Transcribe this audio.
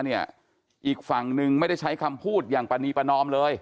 อีกฝั่งหนึ่งไม่ได้ใช้คำพูดอย่างปรณีประนอมเลย